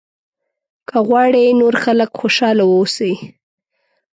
که غواړې نور خلک خوشاله واوسي.